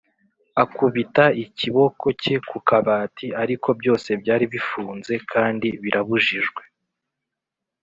akubita ikiboko cye ku kabati, ariko byose byari bifunze kandi birabujijwe;